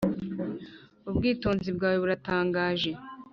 ubwitonzi bwawe burantangaje